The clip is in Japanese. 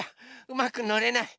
うまくのれない。